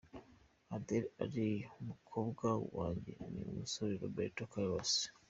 Dele Alli ukundwa cyane ni umusore Roberto Carlos.